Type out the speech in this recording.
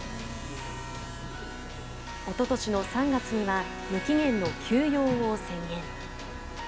おととしの３月には無期限の休養を宣言。